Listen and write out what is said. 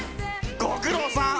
ご苦労さん！